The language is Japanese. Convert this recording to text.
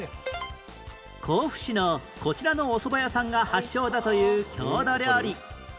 甲府市のこちらのおそば屋さんが発祥だという郷土料理